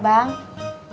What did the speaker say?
abang ngambek ya